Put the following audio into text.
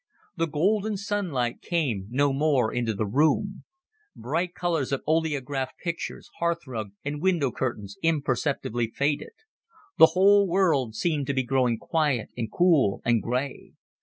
The golden sunlight came no more into the room; bright colors of oleograph pictures, hearth rug, and window curtains imperceptibly faded; the whole world seemed to be growing quiet and cool and gray.